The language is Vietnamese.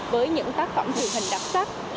với những tác phẩm truyền hình đặc sắc